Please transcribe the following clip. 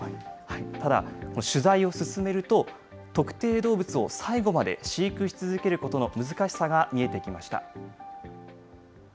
ただ、取材を進めると、特定動物を最後まで飼育し続けることの難しさが見えてきました。